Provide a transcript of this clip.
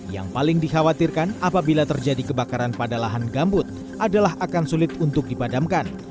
yang paling dikhawatirkan apabila terjadi kebakaran pada lahan gambut adalah akan sulit untuk dipadamkan